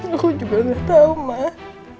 aku juga gak tahu mak